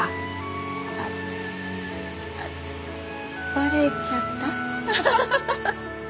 あバレちゃった？